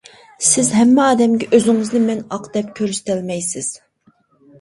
سىز ھەممە ئادەمگە ئۆزىڭىزنى مەن ئاق دەپ كۆرسىتەلمەيسىز.